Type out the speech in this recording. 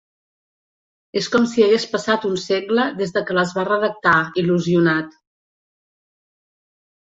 És com si hagués passat un segle des que les va redactar, il·lusionat.